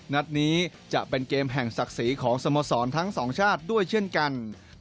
นัดนี้จะเป็นเกมแห่งศักดิ์ศรีของสโมสรทั้งสองชาติด้วยเช่นกัน